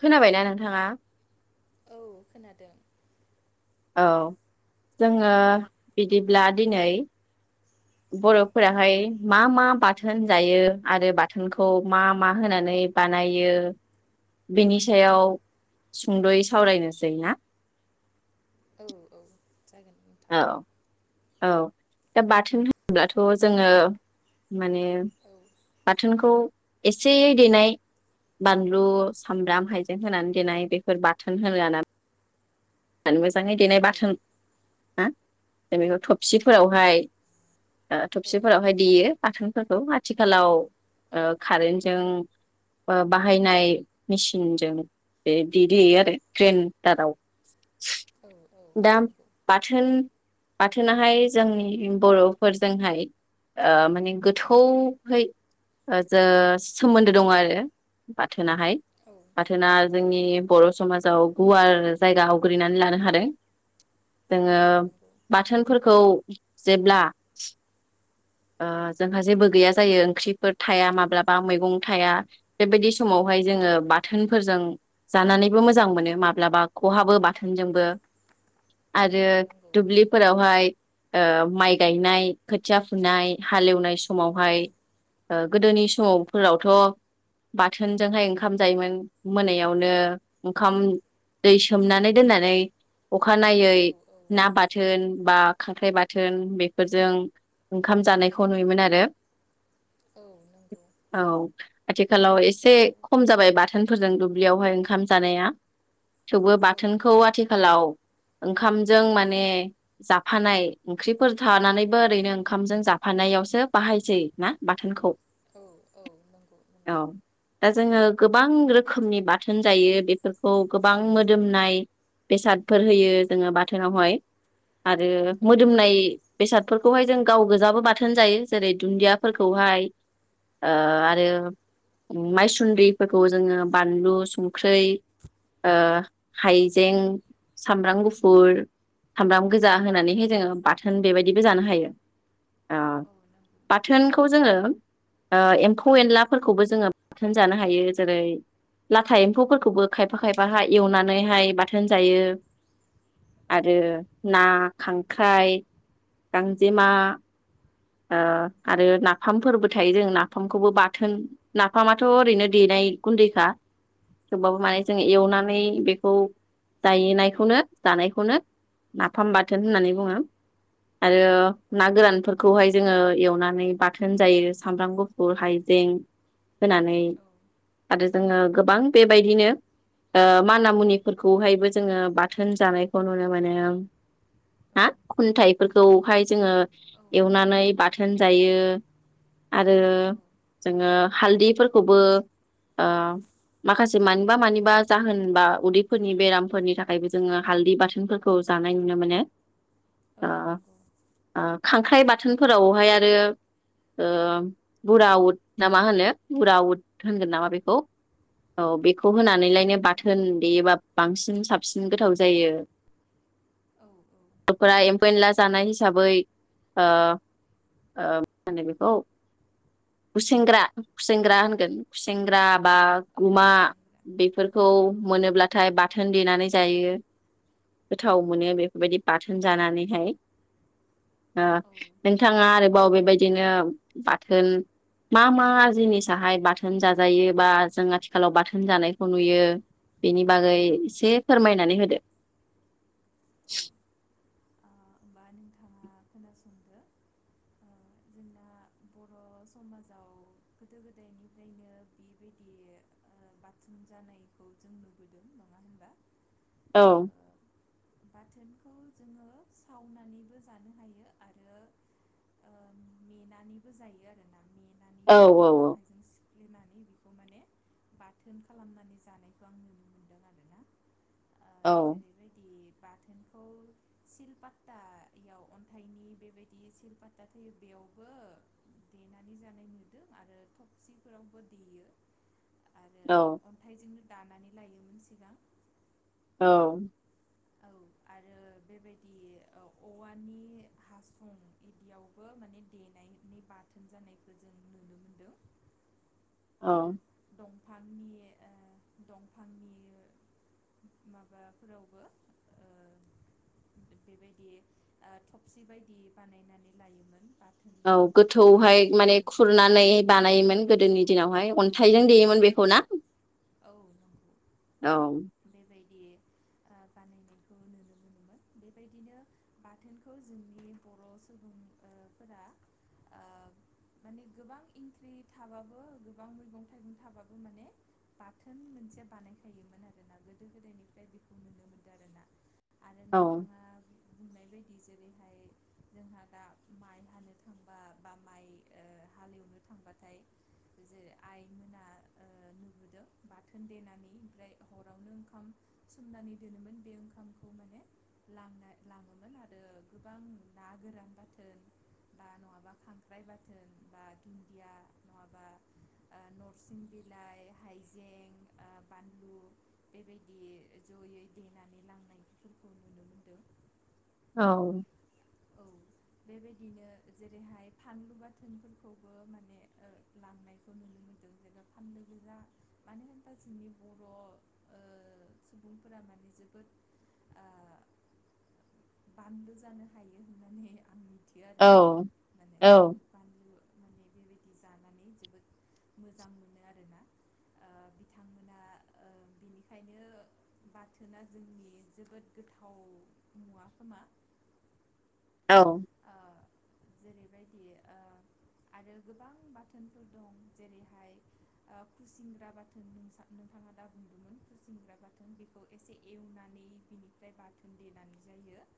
खोनाबायना नोंथाङा औ खोनादों औ जोङो औ बिदिब्ला दिनै [inaudible] औ बर'फोराहाय मा मा बाथोन जायो आरो बाथोनखौ मा मा होनानै बानायो बिनि औ सायाव सुंद'यै सावरायनोसै ना औ औ जागोन औ नोंथां औ दा औ बाथोन होनोब्लाथ' आ जोङो माने औ बाथोनखौ एसे देनाय बानलु औ सामब्राम हाइजें होनानै देनाय बेफोर बाथोन [unintelligible] ना [unintelligible] [unintelligible] देनाय औ बाथोन हा जों बेखौ थफसिफोरावहाय द औ थबसिफोरावहाय देयो। थोनफोरखौ आथिखालाव औ ओ कारेन्टजों बाहायनाय मेसिनजों बे देे-देयो आरो ग्रेनदाराव औ दाम बाथोन बाथोनाहाय जोंनि बर'फोरजोंहाय माने गोथौहै जो सोमोन्दो दं आरो बाथो बाथोनाहाय बाथोना जोंनि बर' समाजाव गुवार जाय ग्रिनानै लानो हादों जोङो बाथोनफोरखौ जेब्ला जोंहा जेबो गैया जायो ओंख्रिफोर थाया माब्लाबा मैगं थाया बेबायदि समावहाय जोङो बाथोनफोरजों जानानैबो मोजां मोनो माब्लाबा खहाबो बा बाथोनजोंबो आरो नंगौ दुब्लिफोरावहाय ओ माइ गायनाय खोथिया फुनाय हालेवनाय सम औ समावहाय गोदोनि समावफोरावथ' बाथोनजोंहाय ओंखाम जायोमोन मोनायावनो ओंखाम दै सोमनानै दोननानै अखानायै औ औ ना बाथोन बा खांख्राइ बाथोन बेफोरजों ओंखाम जानायखौ नुयोमोन आरो। नंगौ औ आथि थिखालाव एसे औ नंगौ औ खम जाबाय बाथोनफोरजों दुब बेयावहाय ओंखाम जानाया औ बाथोनखौ नंगौ आथिखालाव ओंखामजों माने जाफानाय ओंख्रिफोर थानानैबो औ ओरैनो ओंखामजों जाफानायावसो बाहायसै ना बाथोनखौ औ औ नंगौ औ नंगौ। दा जोङो गोबां रोखोमनि बाथोन जायो बेफोरखौ गोबां मोदोम बेनाय बेसादफोर होयो जोङो बाथोनावहाय आरो औ नंगौ औ नंगौ औ नंगौ औ मोदोमनाय बेसादफोरखौहाय जों गाव गोजाबो बाथोन जायो जेरै दुन्दियाफोरखौहाय आरो माइसुन्द्रिफोरखौ जोङो बानलु संख्रै हायजें सामब्राम गुफुर सामब्राम गोजा होनानैहाय जोङो बाथोन बेबायदि जानो हायो ओ औ बाथोनखौ जोंओ ओ एम्फौ एनला फोरखौ बो जोंओ बाथोन जानो हायो जेरै लाथा एम्फौ फोरखौबो खायफा खायफा हाय एवनानैहाय बाथोन जायो औ आरो ना खांख्राइ गांजेमा औ आरो नाफामफोरबो थायो जों नाफामखौबो बाथोन नाफामाथ' ओरैनो देनाय गुन्दैखा थेवबाबो माने जों एवनानै नै बेखौ जायनायखौनो जानायखौनो नाफाम बाथोन होननानै बुङो आरो औ औ ना गोरानफोरखौहाय जोङो एवनानै बाथोन जायो सामब्राम गुफुर हाइजें होनानै औ आरो जोङो गोबां बेबायदिनो माना मुनिफोरखौहायबो जोङो बाथोन जानायखौ नुनो मोनो हा खुन्थाइफोरखौहाय जोङो औ एवनानै बाथोन जायो आरो औ जोङो हालदैफोरखौबो माखासे मानिबा मानिबा जाहोन बा उदैफोरनि बेरामफोरनि थाखायबो जोङो हालदै बाथोनफोरखौ जानाय नुनो मोनो औ ओ नंगौ ओ खांख्राइ बाथोनफोरावहाय आरो ओ बुरा उद ना मा होनो बुरा उद होनगोन नामा बेखौ औ बेखौ होनानैलायनो बाथोन देयोबा बांसिन साबसिन गोथाव जायो औ [unintelligible] जानाय हिसाबै मा ओ ओ होनो बेखौ गुसेंग्रा गुसेंग्रा होनगोन औ गुसेंग्रा बा औ गुमा जेंग्रा बेफोर खौ औ मोनोब्लाथाय बाथोन देनानै जायो गोथाव औ मोनो बेफोरबायदि बाथो जानानैहाय औ नोंथाङा आरो बावबे बेबायदिनो बाथोन मा मा जिनिसहाय बाथोन जाजायो बा जों आथिखालाव बाथोन जानायखौ नुयो बेनि बागै आ एसे फोरमायनानै होदो होमबा नोंथाङा खोनासंदो जोंना बर' समाजाव गोदो गोदायनिफ्रायनो बेबायदि बाथुम जानायखौ जों नुबोदों नङा होनबा ओ औ बाथोनखौ जोङो सावनानैबो जानो हायो आरो मेनानैबो जायो आरोना औ उनानैबो बेखौ आखाइजों सि खफ्ललिनानै बेखौ माने बाथोन खालामनानै जानायखौ आं नुनो मोनदों आरोना ओ औ जेरैबायदि बाथोनखौ सिलपात्टायाव अन्थाइनि बेबायदि सिलपात्टा थयो बेयावबो देनानै जानाय नुदों आरो थफसिफोरावबो देयो आरो औ अन्थाइजोंनो दानानै लायोमोन सिगां औ औ आरो बेबायदि औ औवानि हासुं इदियावबो माने देनायनि बाथोन जानायखौ जों नुनो मोनदों औ आरो दं दंफांनि ओ दंफांनि माबाफोरावबो बेबायदि थफसि बायदि बानायनानै लायोमोन बाथोन औ गोथौहाय देनानै माने जानो थाखाय औ खुरनानै गोथौ बानायोमोन औ गोदोनि दिनावहाय औ औ अन्थाइजों देयोमोन बेखौ औ ना औ नंगौ औ [unintelligible] बानायनायखौ नुनो मोनोमोन बेबायदिनो बाथोनखौ जोंनि बर'सुबुं ओ फोरा ओ माने गोबां इंख्रि थाबाबो गोबां मैगं थाइगं थाबाबो माने बाथोन मोनसे बानायखायोमोन आरोना गोदो गोदायनिफ्राय बेखौ नुनो आरोना आरो औ नोंथाङा बुंनाय बायदि जेरैहाय जोंहा दा माइ हानो थांबा बा माइ ओ हालेवनो थांबाथाय [unintelligible] आइ मोना ओ नुबोदों बाथोन देनानै ओमफ्राय हरावनो ओंखाम सोमनानै दोनोमोन बे ओंखामखौ माने लांना लाङोमोन आरो गोबां ना गोरान बाथोन बा नङाबा खांख्राइ बाथोन बा दुन्दिया नङाबा ओ नरसिं बिलाइ, हाइजें ओ बानलु बेबायदि जयै देनानै लांनायफोरखौ नुनो मोनदों। औ औ बेबायदिनो जेरैहाय फानलु बाथोनफोरखौबो माने ओ लांनायखौ नुनो मोन्दों जेनबा फानलु गोजा मानो होनबा जोंनि बर' ओ सुबुंफोरा माने जोबोद आ बानलु जानो हायो होननानै आं मिथियो औ आरो ना माने औ बानलु [unintelligible] बेबायदि जानानै जोबोद मोजां मोनो आरोना ओ बिथांमोना ओ बिनिखायनो बाथोना जोंनि जोबोद गोथाव मुवा खोमा औ ओ जेरैबायदि ओ आरो गोबां बाथोनफोर दं जेरैहाय ओ खुसिंग्रा बाथोनखौ नोंथाङा दा बुंदोंमोन खुसिंग्रा बाथोन बेखौ एसे एवनानै बिनिफ्राय बाथोन देनानै जायो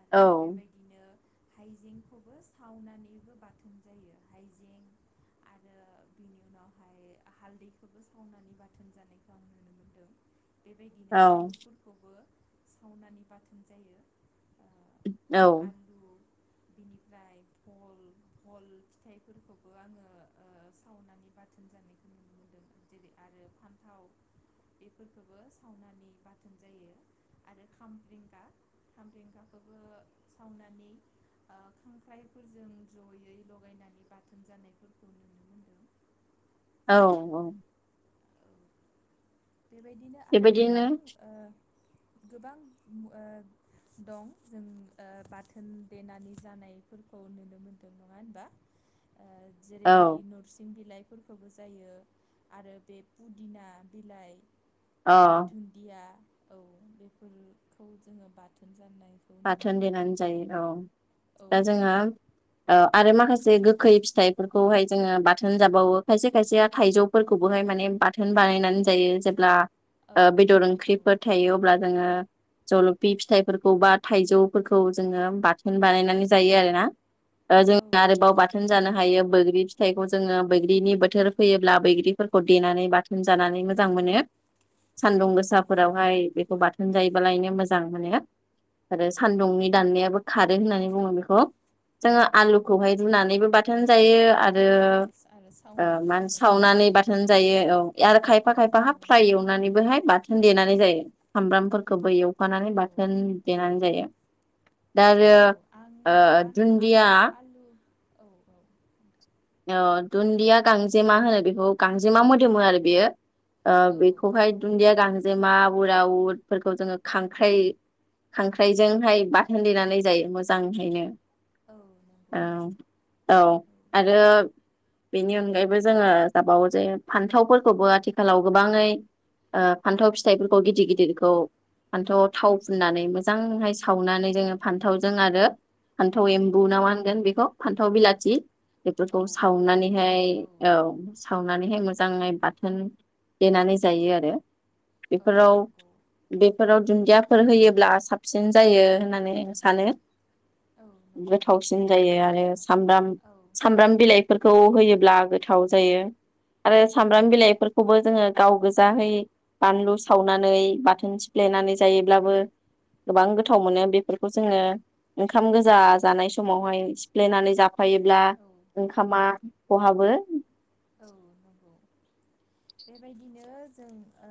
आरो औ बेबायदिनो हाइजेंखौबो सावनानैबो बाथोन जायो हाइजें आरो बिनि उनावहाय हालदैखौबो सावनानै बाथोन जानायखौ आं नुनो मोनदों। बेबायदिनो औ आलुफोरखौबो सावनानि बाथोन जायो ओ औ आलु बिनिफ्राय भल भल फिथाइफोरखौबो आङो ओ सावनानै बाथोन जानायखौ नुनो मोनदों जेरै आरो फान्थाव बेफोरखौबो ओ सावनानानै बाथोन जायो आरो खामब्रेंगा खामब्रेंगाखौबो सावनानै ओ खांख्राइफोरजों जयै लगायनानै बाथोन जानायफोरखौ नुनो मोनदों। औ औ बेबायदिनो आरो गोबां बेबायदिनो ओ गोबां ओ दं जों ओ बाथोन देनानै जानायफोरखौ नुनो मोन्दों नङा होनबा? ओ जेरैबायदि औ नरसिं बिलाइ फोरखौबो जायो आरो बे पुदिना बिलाइ अ ओ धुन्दिया औ बेफोरखौ जोङो बाथोन जानायखौ नुनो बाथोन मोनदों देनानै जायो औ औ दा जोंहा औ औ आरो माखासे गो खै फिथाइफोरखौहाय जोङो बाथोन जाबावो खायसे खायसे थाइजौफोरखौबोहाय माने बाथो न बानायनानै औ जायो जेब्ला औ बेदर ओंख्रिफोर थायो अब्ला जोङो जलफि फिथाइफोरखौ बा थाइजौफोरखौ जोङो बाथोन औ बानायनानै जायो आरोना जों औ आरोबाव नंगौ बाथोन जानो हायो बोग्रि फिथाइखौ जोङो बैग्रिनि बोथोर फैयोब्ला बैग्रिफोरखौ देनानै बाथोन जानानै मोजां मोनो औ सानदुं नंगौ गोसाफोरावहाय बेखौ बाथोन जायोबालायनो मोजां मोनो आरो औ सान्दुंनि नंगौ दान्नायाबो खारो होननानै बुङो बेखौ जोङो औ आलुखौहाय नंगौ रुनानैबो बाथोन जायो रो आरो ओ सावनानैबो मान जायो सावनानै औ बाथोन जायो औ आरो खायफा औ खायफा हाब औ फ्राय एवनानैबोहाय बाथोन देनानै जायो सामब्रामफोरखौबो एवफानानै औ बाथोन देनानै जायो। दा आरो औ आं ओ आं दुन्दिया आलु आलु औ औ अ दुन्दिया गांजेमा होनो बेखौ गांजेमा मोदोमो आरो बेयो। ओ औ औ बेखौहाय दुन्दिया गांजेमा उरा उदफोरखौ जोङो खांख्राइ खांख्राइजोंहाय बाथोन देनानै जायो मोजांहैनो। औ नंगौ औ औ। आरो बेनि अनगायैबो जोङो जाबावो जे फान्थावफोरखौबो आथिखालाव गोबाङै ओ फान्थाव फिथाइफोरखौ गिदिर गिदिरखौ फान्थाव थाव फुननानै मोजांहाय सावनानै जोङो फान्थावजों आरो फान्थाव औ एम्बु ना मा होनगोन बेखौ फान्थाव बिलाथि। औ बेफोरखौ फान्थाव बिलाथि सावनानैहाय औ सावनानैहाय मोजाङै बाथोन देनानै जायो आरो। औ बेफोराव नंगौ बेफोराव दुन्दियाफोर होयोब्ला साबसिन जायो होननानै आं सानो। औ नंगौ गोथावसिन जायो ओ आरो सामब्राम औ सामब्राम बिलाइफोरखौ होयोब्ला गोथाव जायो। आरो औ सामब्राम बिलाइफोरखौबो जोङो गाव गोजाहै बानलु सावनानै बाथोन सिफ्लेनानै जायोब्लाबो गोबां गोथाव मोनो बेफोरखौ जोङो ओंखाम गोजा जानाय समावहाय सिफ्लेनानै जाफायोब्ला औ ओंखामा खहाबो। औ नंगौ बेबायदिनो जों ओ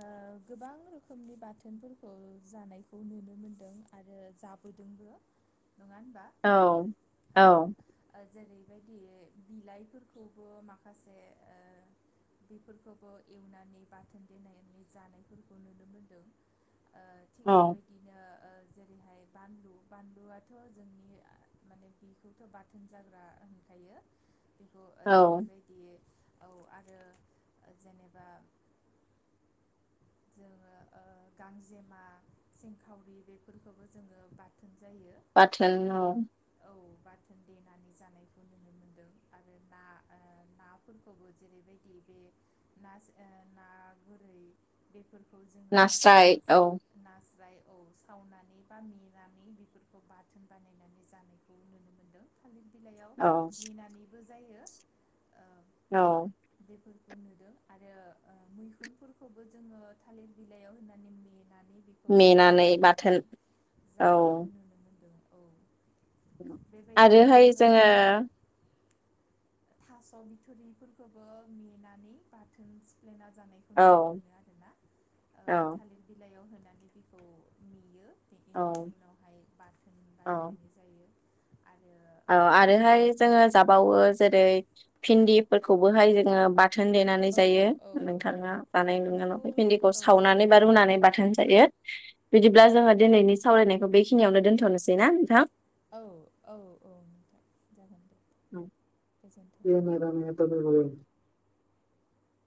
गोबां रोखोमनि बाथोनफोरखौ जानायखौ नुनो मोनदों आरो जाबोदोंबो। नङा होनबा औ औ ओ जेरै बेबायदि बिलाइफोरखौबो माखासे ओ बेफोरखौबो एवनानै बाथोन देनानै जानायफोरखौ नुनो मोनदों। ओ थिग बेबायदिनो। जेरैहाय बानलु बानलुआथ' जोंनि माने बेखौथ' बाथोन जाग्रा होनखायो। बेखौ औ जेरैबायदि औ आरो जेनेबा जोङो ओ गांजेमा सिंखावरि बेफोरखौबो जोङो बाथोन जायो बाथोन ओ औ औ। बाथोन देनानै जानायखौ नुनो मोनदों आरो ना ओ नाफोरखौबो जेरै बायदि बे ना ना गोरै बे फोरखौ जोङो नास्राय औ ओ नास्राय। औ सावनानै बा मेनानै बेफोरखौ बाथोन बानायनानै जानायखौ नुनो मोनदों खालि बिलायाव औ मेनानै जायो ओ औ। [unintelligible] आरो ओ मैखुनफोरखौ खौ जोङो थालिर बिलाइयाव होनानै मे नानै बेखौ बाथोन मेनानै बाथोन बानायनानै औ जानायखौ नुनो मोनदों। औ बेबायदिनो जोङो ओ थास' बिथ'रिफोरखौबो मेनानै बाथोन सिफ्लेना जा औ। आरो ना ओ औ थालिर बिलाइयाव होन [unintelligible] खौ मेयो। औ बिनि उनावहाय बाथोन औ बानायनानै जायो। आरो औ आरोहाय जोङो जाबावो जेरै भिन्दिफोरखौबोहाय जोङो बा थोन देनानै ओ बे औ जायो औ नोंथाङा जानाय नुदों ना बेखौ नुवाखै भिन्दिखौ औ सावनानै बा रुनानै बाथोन जायो। बिदिब्ला जोङो औ दिनैनि सावरायनायखौ बेखि खिनियावनो दोनथ'नोसै ना नोंथां। औ औ औ नोंथां जागोन। दे गोजोन्थों [unintelligible] [unintelligible]